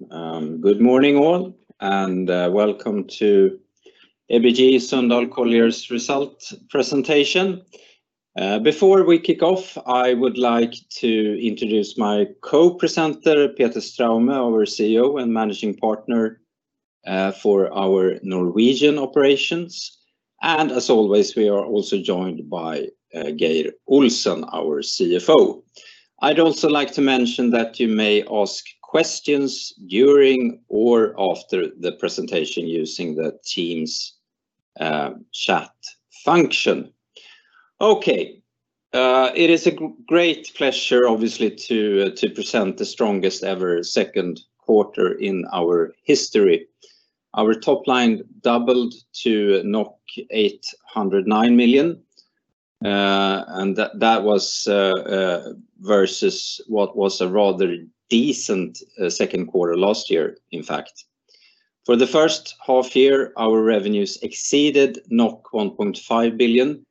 Good morning all, welcome to ABG Sundal Collier's result presentation. Before we kick off, I would like to introduce my co-presenter, Peter Straume, our CEO and Managing Partner for our Norwegian operations. As always, we are also joined by Geir Olsen, our CFO. I'd also like to mention that you may ask questions during or after the presentation using the Teams chat function. Okay. It is a great pleasure, obviously, to present the strongest ever second quarter in our history. Our top line doubled to 809 million, and that was versus what was a rather decent second quarter last year, in fact. For the first half year, our revenues exceeded 1.5 billion,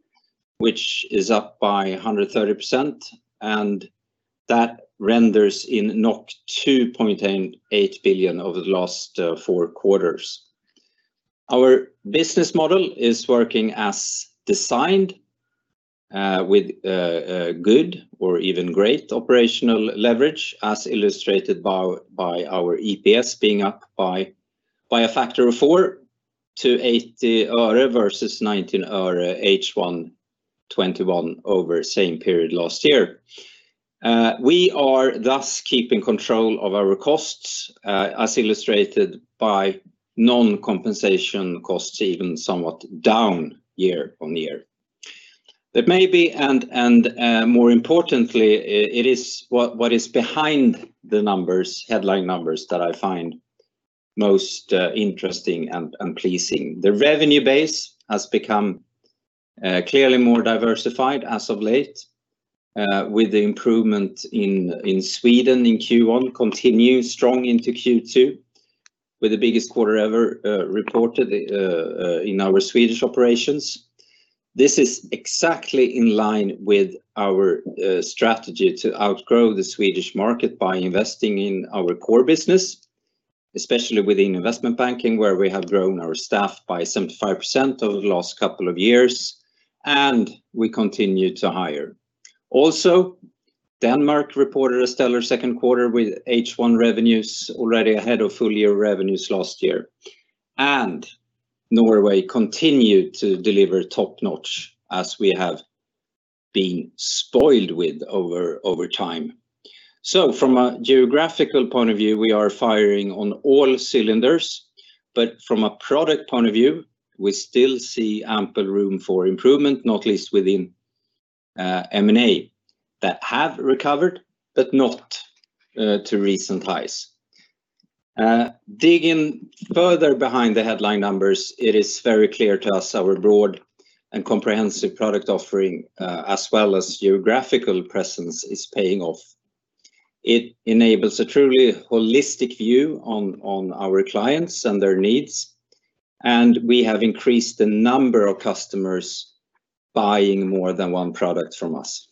which is up by 130%, and that renders in 2.8 billion over the last four quarters. Our business model is working as designed with good or even great operational leverage, as illustrated by our EPS being up by a factor of four to 0.80 versus 0.19 H1 2021 over the same period last year. We are thus keeping control of our costs, as illustrated by non-compensation costs even somewhat down year-on-year. Maybe, and more importantly, it is what is behind the headline numbers that I find most interesting and pleasing. The revenue base has become clearly more diversified as of late, with the improvement in Sweden in Q1 continuing strong into Q2, with the biggest quarter ever reported in our Swedish operations. This is exactly in line with our strategy to outgrow the Swedish market by investing in our core business, especially within investment banking, where we have grown our staff by 75% over the last couple of years. We continue to hire. Also, Denmark reported a stellar second quarter with H1 revenues already ahead of full year revenues last year. Norway continued to deliver top-notch, as we have been spoiled with over time. From a geographical point of view, we are firing on all cylinders, but from a product point of view, we still see ample room for improvement, not least within M&A, that have recovered, but not to recent highs. Digging further behind the headline numbers, it is very clear to us our broad and comprehensive product offering, as well as geographical presence, is paying off. It enables a truly holistic view on our clients and their needs, and we have increased the number of customers buying more than one product from us.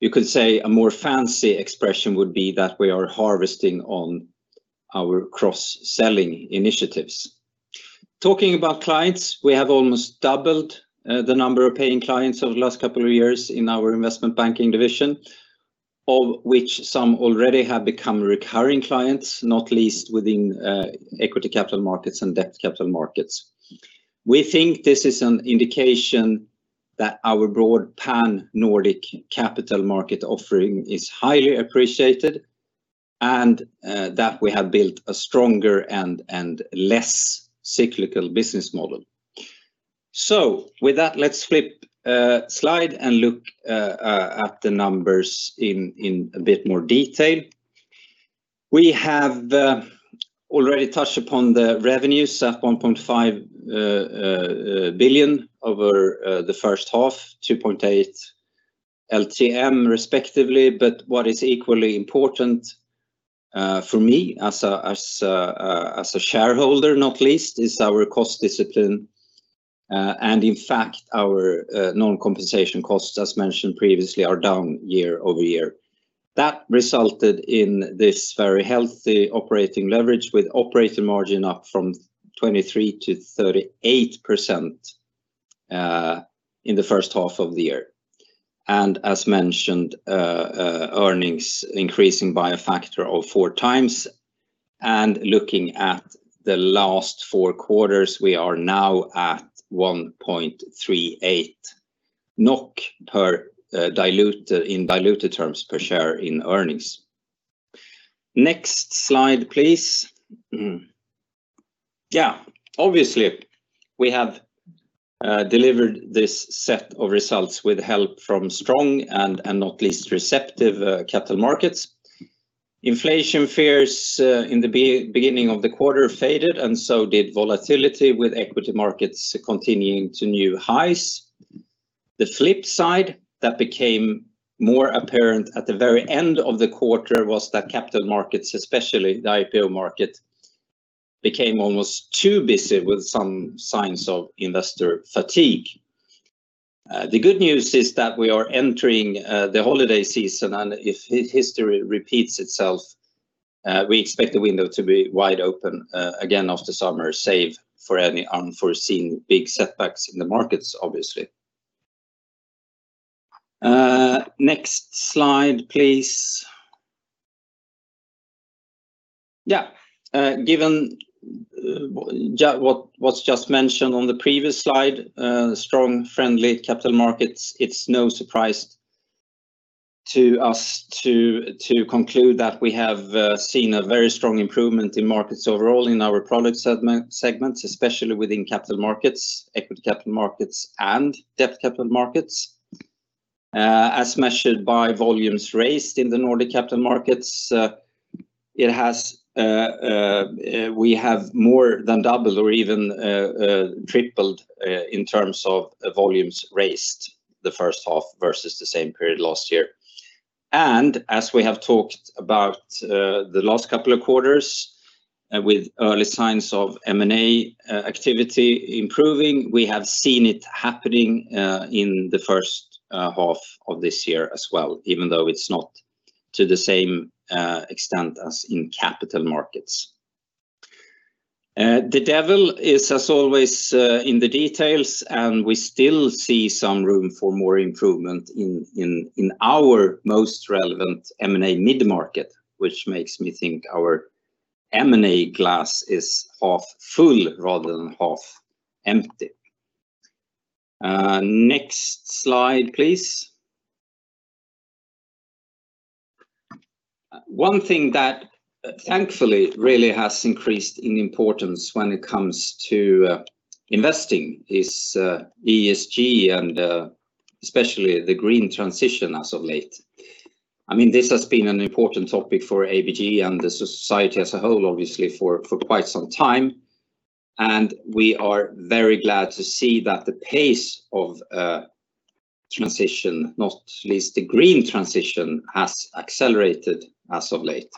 You could say a more fancy expression would be that we are harvesting on our cross-selling initiatives. Talking about clients, we have almost doubled the number of paying clients over the last couple of years in our investment banking division, of which some already have become recurring clients, not least within equity capital markets and debt capital markets. We think this is an indication that our broad pan-Nordic capital market offering is highly appreciated and that we have built a stronger and less cyclical business model. With that, let's flip slide and look at the numbers in a bit more detail. We have already touched upon the revenues at 1.5 billion over the first half, 2.8 billion LTM respectively. What is equally important for me as a shareholder, not least, is our cost discipline. In fact, our non-compensation costs, as mentioned previously, are down year-over-year. That resulted in this very healthy operating leverage with operating margin up from 23%-38% in the first half of the year. As mentioned, earnings increasing by a factor of. 4 x Looking at the last four quarters, we are now at 1.38 NOK in diluted terms per share in earnings. Next slide, please. Obviously, we have delivered this set of results with help from strong and not least receptive capital markets. Inflation fears in the beginning of the quarter faded and so did volatility with equity markets continuing to new highs. The flip side that became more apparent at the very end of the quarter was that capital markets, especially the IPO market, became almost too busy with some signs of investor fatigue. The good news is that we are entering the holiday season, and if history repeats itself, we expect the window to be wide open again after summer, save for any unforeseen big setbacks in the markets, obviously. Next slide, please. Given what's just mentioned on the previous slide, strong friendly capital markets, it's no surprise to us to conclude that we have seen a very strong improvement in markets overall in our product segments, especially within capital markets, equity capital markets, and debt capital markets, as measured by volumes raised in the Nordic capital markets. We have more than doubled or even tripled in terms of volumes raised the first half versus the same period last year. As we have talked about the last couple of quarters with early signs of M&A activity improving, we have seen it happening in the first half of this year as well, even though it's not to the same extent as in capital markets. The devil is, as always, in the details, and we still see some room for more improvement in our most relevant M&A mid-market, which makes me think our M&A glass is half full rather than half empty. Next slide, please. One thing that thankfully really has increased in importance when it comes to investing is ESG and especially the green transition as of late. This has been an important topic for ABG and the society as a whole, obviously, for quite some time, and we are very glad to see that the pace of transition, not least the green transition, has accelerated as of late.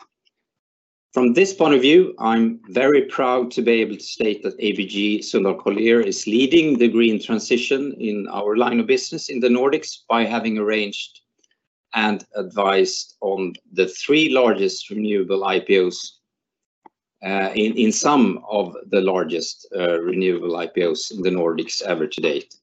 From this point of view, I'm very proud to be able to state that ABG Sundal Collier is leading the green transition in our line of business in the Nordics by having arranged and advised on the three largest renewable IPOs in some of the largest renewable IPOs in the Nordics ever to date.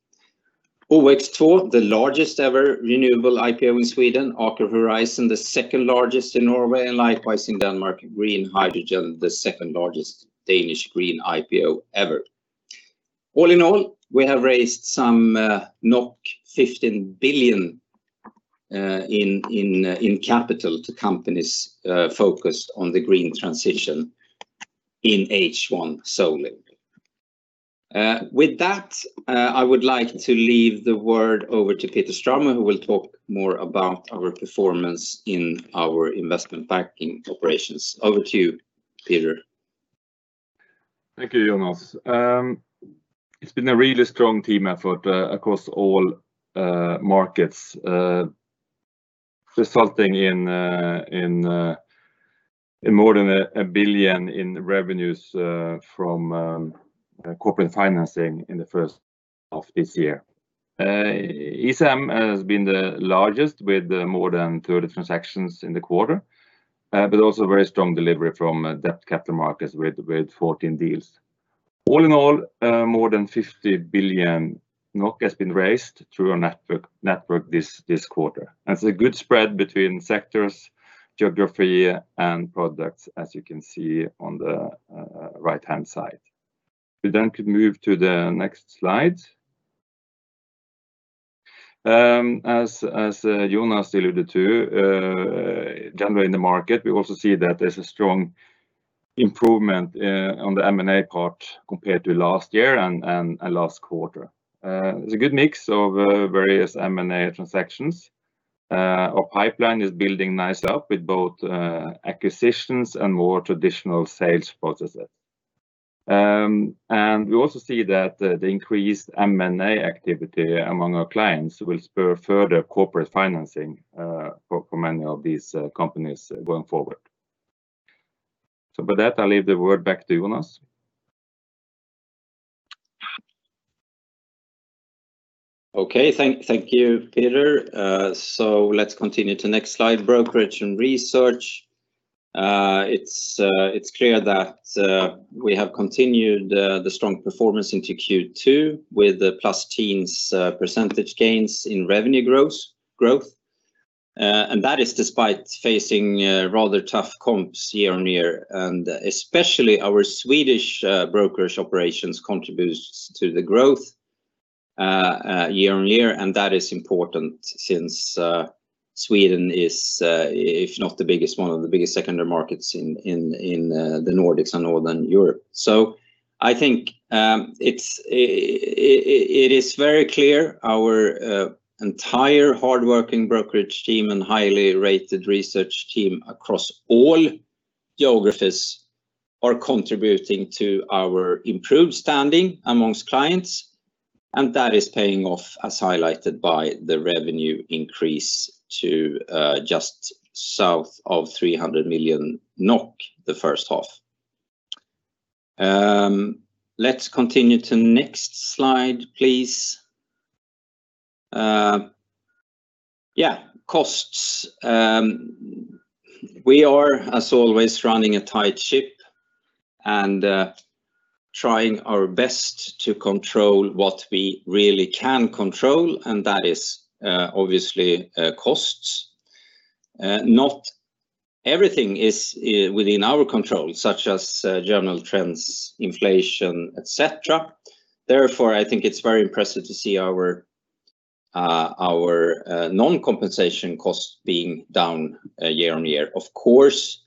The largest ever renewable IPO in Sweden, Aqua Horizon, the second largest in Norway, and likewise in Denmark, Green Hydrogen, the second largest Danish green IPO ever. All in all, we have raised some 15 billion in capital to companies focused on the green transition in H1 solely. With that, I would like to leave the word over to Peter Straume, who will talk more about our performance in our investment banking operations. Over to you, Peter. Thank you, Jonas. It's been a really strong team effort across all markets, resulting in more than 1 billion in revenues from corporate financing in the first half this year. ECM has been the largest with more than 30 transactions in the quarter. Also very strong delivery from debt capital markets with 14 deals. All in all, more than 50 billion NOK has been raised through our network this quarter. That's a good spread between sectors, geography, and products, as you can see on the right-hand side. We can move to the next slide. As Jonas alluded to, generally in the market, we also see that there's a strong improvement on the M&A part compared to last year and last quarter. There's a good mix of various M&A transactions. Our pipeline is building nicely up with both acquisitions and more traditional sales processes. We also see that the increased M&A activity among our clients will spur further corporate financing for many of these companies going forward. With that, I'll leave the word back to Jonas. Okay. Thank you, Peter. Let's continue to the next slide, brokerage and research. It's clear that we have continued the strong performance into Q2 with the + 10s% gains in revenue growth. That is despite facing rather tough comps year-on-year, especially our Swedish brokerage operations contributes to the growth year-on-year, that is important since Sweden is, if not the biggest, one of the biggest secondary markets in the Nordics and Northern Europe. I think it is very clear our entire hardworking brokerage team and highly rated research team across all geographies are contributing to our improved standing amongst clients, that is paying off, as highlighted by the revenue increase to just south of 300 million NOK the H1. Let's continue to next slide, please. Yeah, costs. We are, as always, running a tight ship and trying our best to control what we really can control, and that is obviously costs. Not everything is within our control, such as general trends, inflation, et cetera. I think it's very impressive to see our non-compensation costs being down year-over-year. Of course,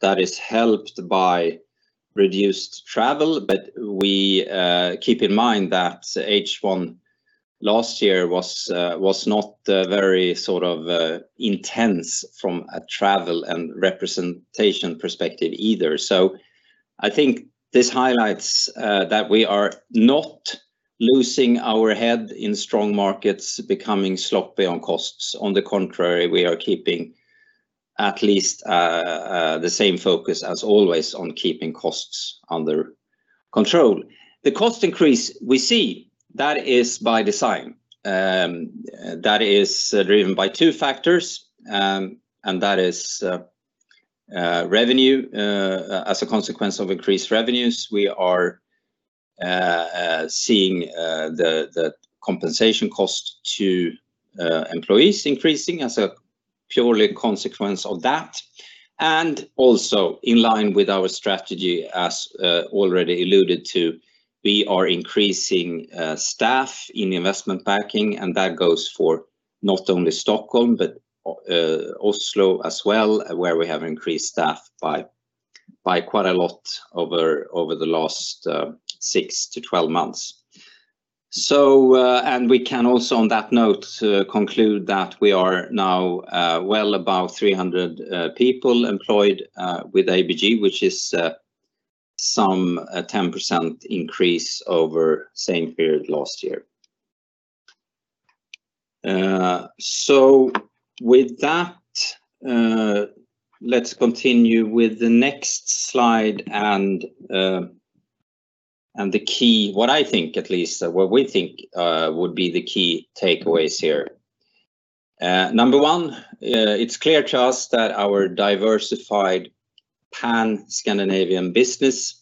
that is helped by reduced travel. Keep in mind that H1 last year was not very intense from a travel and representation perspective either. I think this highlights that we are not losing our head in strong markets, becoming sloppy on costs. On the contrary, we are keeping at least the same focus as always on keeping costs under control. The cost increase we see is by design. That is driven by two factors, and that is revenue. As a consequence of increased revenues, we are seeing the compensation cost to employees increasing as a purely consequence of that. Also in line with our strategy, as already alluded to, we are increasing staff in investment banking, and that goes for not only Stockholm, but Oslo as well, where we have increased staff by quite a lot over the last 6-12 months. We can also on that note conclude that we are now well above 300 people employed with ABG, which is some 10% increase over the same period last year. With that, let's continue with the next slide and what we think would be the key takeaways here. Number one, it's clear to us that our diversified pan-Scandinavian business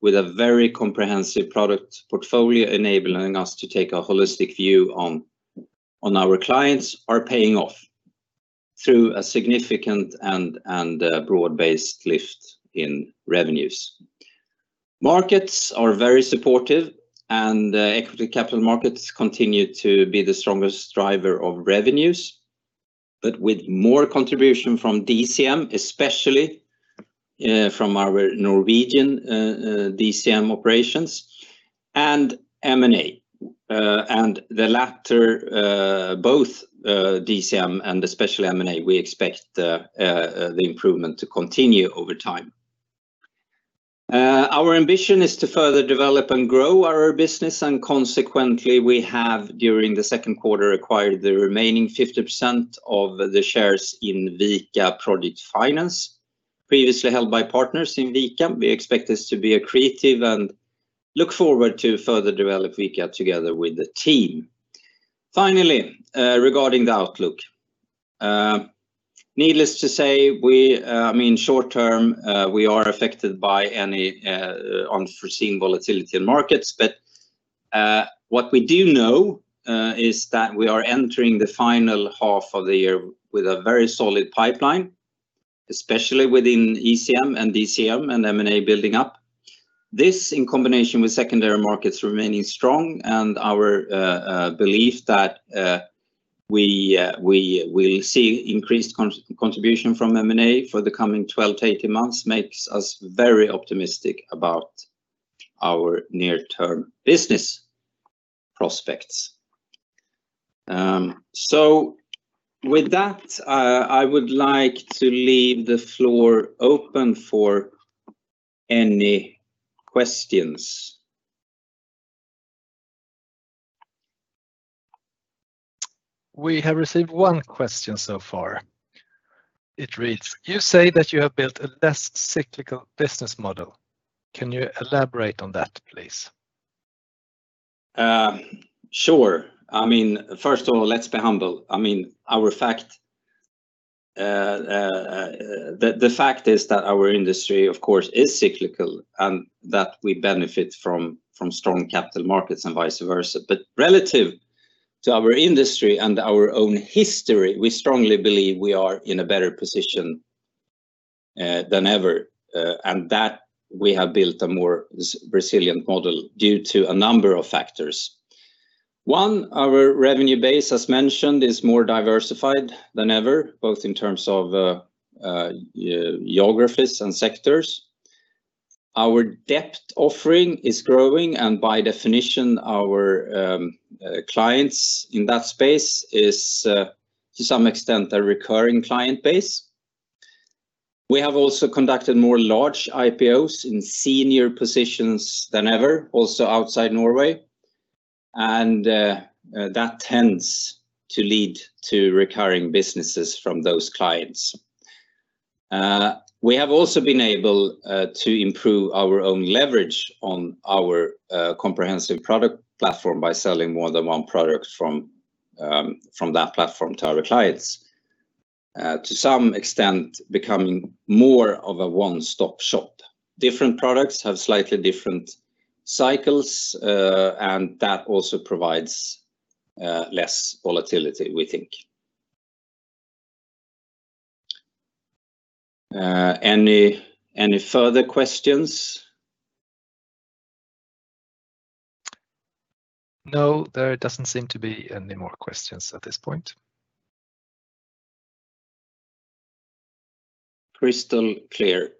with a very comprehensive product portfolio enabling us to take a holistic view on our clients are paying off through a significant and broad-based lift in revenues. Markets are very supportive, and equity capital markets continue to be the strongest driver of revenues, but with more contribution from DCM, especially from our Norwegian DCM operations and M&A. The latter, both DCM and especially M&A, we expect the improvement to continue over time. Our ambition is to further develop and grow our business, and consequently, we have during the second quarter acquired the remaining 50% of the shares in Vika Project Finance previously held by partners in Vika. We expect this to be accretive and look forward to further develop Vika together with the team. Finally, regarding the outlook. Needless to say, short term, we are affected by any unforeseen volatility in markets. What we do know is that we are entering the final half of the year with a very solid pipeline, especially within ECM and DCM and M&A building up. This in combination with secondary markets remaining strong and our belief that we will see increased contribution from M&A for the coming 12-18 months makes us very optimistic about our near-term business prospects. With that, I would like to leave the floor open for any questions. We have received one question so far. It reads, "You say that you have built a less cyclical business model. Can you elaborate on that, please? Sure. First of all, let's be humble. The fact is that our industry, of course, is cyclical and that we benefit from strong capital markets and vice versa. Relative to our industry and our own history, we strongly believe we are in a better position than ever and that we have built a more resilient model due to a number of factors. One, our revenue base, as mentioned, is more diversified than ever, both in terms of geographies and sectors. Our depth offering is growing, and by definition our clients in that space is to some extent a recurring client base. We have also conducted more large IPOs in senior positions than ever, also outside Norway, and that tends to lead to recurring businesses from those clients. We have also been able to improve our own leverage on our comprehensive product platform by selling more than one product from that platform to our clients. To some extent, becoming more of a one-stop shop. Different products have slightly different cycles. That also provides less volatility, we think. Any further questions? No, there doesn't seem to be any more questions at this point. Crystal clear.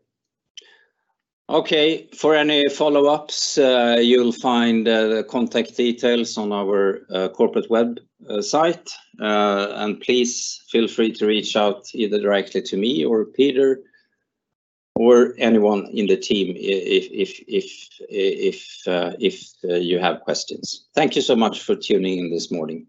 Okay. For any follow-ups, you'll find the contact details on our corporate website. Please feel free to reach out either directly to me or Peter or anyone in the team if you have questions. Thank you so much for tuning in this morning.